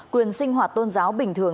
quyền sinh hoạt tôn giáo bình thường